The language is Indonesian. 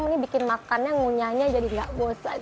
ini bikin makannya ngunyahnya jadi gak bosan